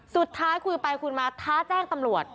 สุดท้ายคุยไปคุยมาท้าแจ้งตำรวจ